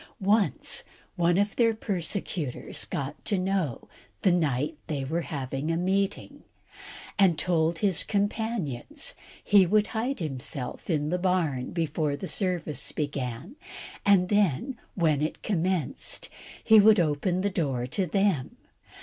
Once, one of their persecutors got to know the night they were having a meeting, and told his companions he would hide himself in the barn before the service began, and then when it commenced he would open the door to them.